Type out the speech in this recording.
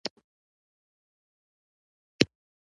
چې سپوږمۍ ته د شنه اسمان شراب ورکوي